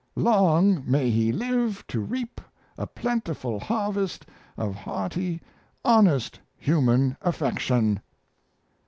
Long may he live to reap a plentiful harvest of hearty honest human affection.